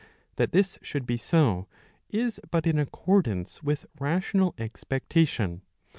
That this should be so is but in accordance with rational expectation.